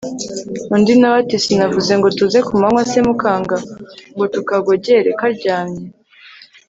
undi nawe ati sinavuze ngo tuze kumanywa se mukanga ngo tukagogere karyamye